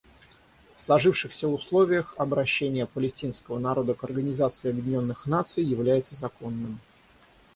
В сложившихся условиях обращение палестинского народа к Организации Объединенных Наций является законным.